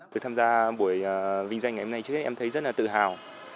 tôi tham gia buổi vinh danh ngày hôm nay trước hết em thấy rất là tự hào